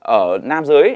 ở nam giới